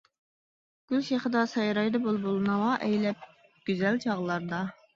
گۈل شېخىدا سايرايدۇ بۇلبۇل، ناۋا ئەيلەپ گۈزەل چاغلاردا.